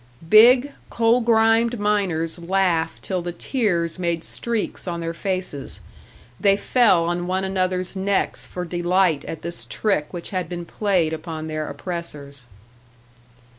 Big, coal grimed miners laughed till the tears made streaks on their faces; they fell on one another's necks for delight at this trick which had been played upon their oppressors.